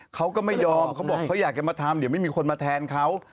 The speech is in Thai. เขาก็ไม่ยอมเขาบอกเขาอยากจะมาทำเดี๋ยวไม่มีคนมาแทนเขา